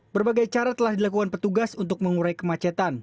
berbagai cara telah dilakukan petugas untuk mengurai kemacetan